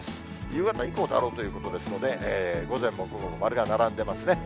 夕方以降だろうということですので、午前も午後も丸が並んでますね。